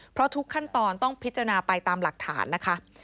เพราะทุกขั้นตอนต้องพิจารณาไปตามหลักฐานนะคะ